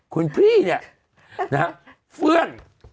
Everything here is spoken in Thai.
คุณพี่เนี่ยนะฮะเพื่อน